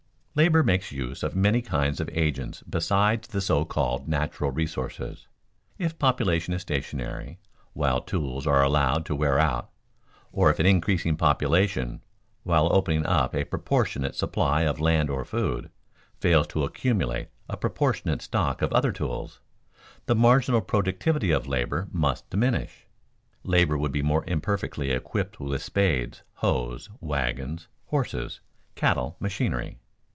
_ Labor makes use of many kinds of agents besides the so called natural resources. If population is stationary while tools are allowed to wear out or if an increasing population, while opening up a proportionate supply of land for food, fails to accumulate a proportionate stock of other tools, the marginal productivity of labor must diminish. Labor would be more imperfectly equipped with spades, hoes, wagons, horses, cattle, machinery.